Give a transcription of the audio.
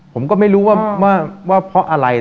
ผมก็ไม่รู้ว่าเพราะอะไร